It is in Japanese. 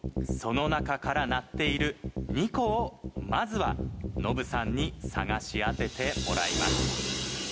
その中から鳴っている２個をまずはノブさんに探し当ててもらいます。